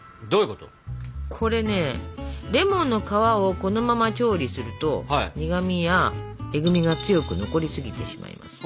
これねレモンの皮をこのまま調理すると苦みやえぐみが強く残りすぎてしまいます。